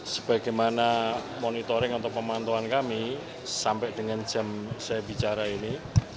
sebagaimana monitoring atau pemantauan kami sampai dengan jam saya bicara ini